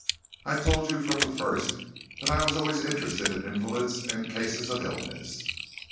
I told you from the first that I was always interested in invalids and cases of illness."